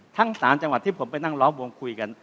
ทั้ง๓จังหวัดที่ผมไปนั่งล้อมวงคุยกัน